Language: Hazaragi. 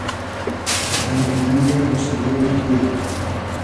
غئدئر گیرئنگۂ اۆسیلې مۂ تو یی